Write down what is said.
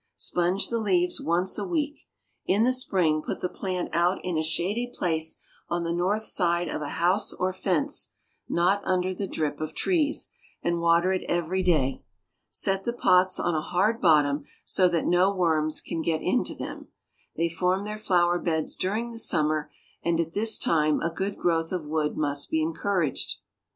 Sponge the leaves once a week. In the spring put the plant out in a shady place on the north side of a house or fence, not under the drip of trees, and water it every day. Set the pots on a hard bottom, so that no worms can get into them. They form their flower beds during the summer, and at this time a good growth of wood must be encouraged.